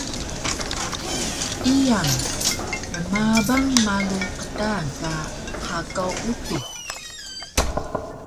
Iyang: Rmabang malu qtaan ka hakaw utux